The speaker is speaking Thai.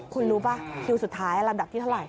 คุณรู้ป่ะคิวสุดท้ายลำดับที่เท่าไห